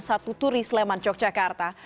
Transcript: satu turi sleman yogyakarta